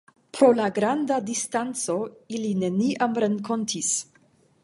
Pro la granda distanco, ili neniam renkontis.